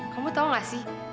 kamu tau gak sih